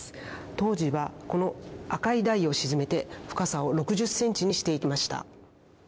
当時はこの赤い台を沈めて深さを６０ｃｍにしていました。